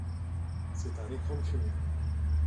C’est un écran de fumée.